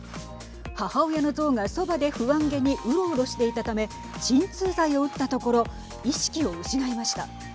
母親のゾウが、そばで不安げにうろうろしていたため鎮痛剤を打ったところ意識を失いました。